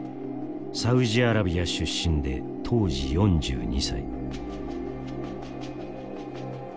サウジアラビア出身で当時４２歳。